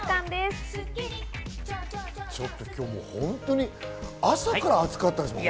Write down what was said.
今日本当に朝から暑かったですもんね。